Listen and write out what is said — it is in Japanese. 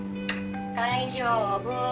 大丈夫。